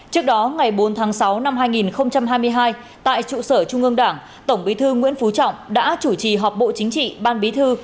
trước đó ngày bốn tháng sáu năm hai nghìn hai mươi hai tại trụ sở trung ương đảng tổng bí thư nguyễn phú trọng đã chủ trì họp bộ chính trị ban bí thư